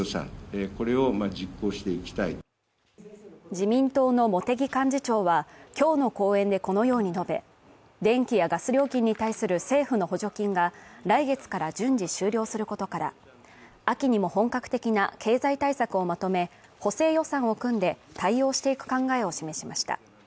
自民党の茂木幹事長は今日の講演でこのように述べ電気やガス料金に対する政府の補助金が来月から順次終了することから、秋にも本格的な経済対策をまとめ補正予算を組んで対応していく考えを示しました。